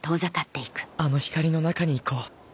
あの光の中に行こう